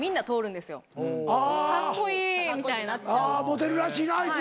モテるらしいなあいつ。